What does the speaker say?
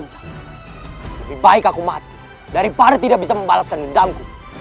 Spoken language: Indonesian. tapi kau jangan menemani aku